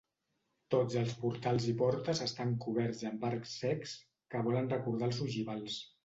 Tots els portals i portes estan coberts amb arcs cecs que volen recordar els ogivals.